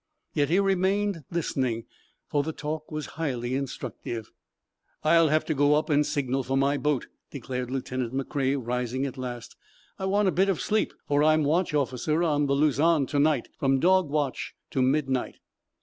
Yet he remained, listening, for the talk was highly instructive. "I'll have to go up and signal for my boat," declared Lieutenant McCrea, rising, at last. "I want a bit of sleep, for I'm watch officer on the 'Luzon' to night, from dog watch to midnight."